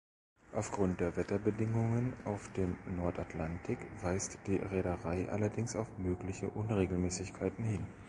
Aufgrund der Wetterbedingungen auf dem Nordatlantik weist die Reederei allerdings auf mögliche Unregelmäßigkeiten hin.